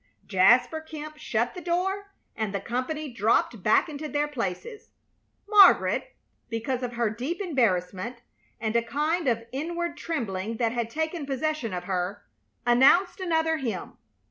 Jasper Kemp shut the door, and the company dropped back into their places. Margaret, because of her deep embarrassment, and a kind of inward trembling that had taken possession of her, announced another hymn.